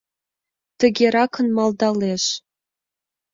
Тыгеракын малдалеш: